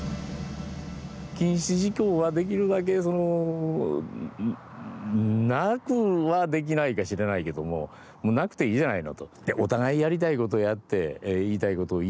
禁止事項はできるだけそのなくはできないかしれないけどもなくていいじゃないのと。